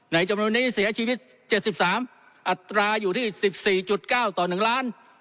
จำนวนนี้เสียชีวิต๗๓อัตราอยู่ที่๑๔๙ต่อ๑ล้าน